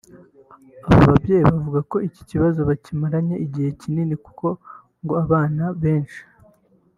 Aba babyeyi bavuga ko iki kibazo bakimaranye igihe kinini kuko ngo abana benshi